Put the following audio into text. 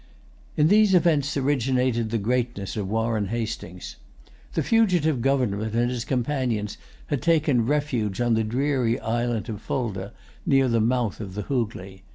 In these events originated the greatness of Warren Hastings. The fugitive governor and his companions had taken refuge on the dreary islet of Fulda, near the mouth of the Hoogley.